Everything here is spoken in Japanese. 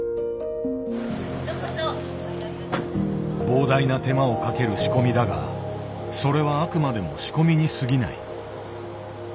膨大な手間をかける仕込みだがそれはあくまでも仕込みにすぎない。